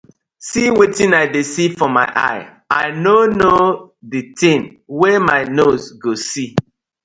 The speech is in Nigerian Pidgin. See wetin I dey see for my eye, I no no di tin wey my nose go see.